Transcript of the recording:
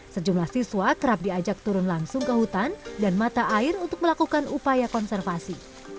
sejumlah siswa kerap diajak turun langsung ke hutan dan mata air untuk melakukan upaya konservasi